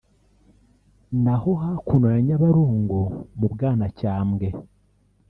naho hakuno ya Nyabarongo (mu Bwanacyambwe